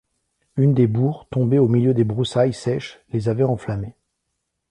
Une des bourres, tombée au milieu des broussailles sèches, les avait enflammées.